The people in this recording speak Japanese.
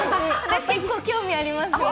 私、結構興味ありますよ。